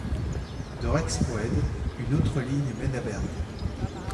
De Rexpoëde, une autre ligne mène à Bergues.